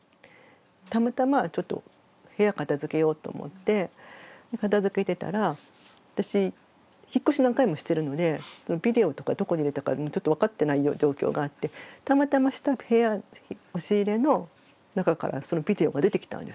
たまたまちょっと部屋片づけようと思って片づけてたら私引っ越し何回もしてるのでビデオとかどこに入れたかちょっと分かってない状況があってたまたま押し入れの中からそのビデオが出てきたんですよね。